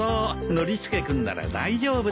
ノリスケ君なら大丈夫だよ。